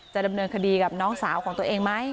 ดำเนินคดีกับน้องสาวของตัวเองไหม